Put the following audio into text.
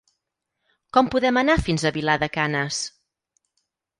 Com podem anar fins a Vilar de Canes?